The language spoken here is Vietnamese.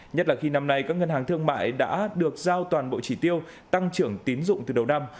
nhất là khi năm nay các ngân hàng thương mại đã được giao toàn bộ chỉ tiêu tăng trưởng tín dụng từ đầu năm